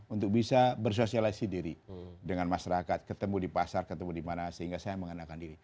untuk bisa bersosialisi diri dengan masyarakat ketemu di pasar ketemu dimana sehingga saya mengenalkan diri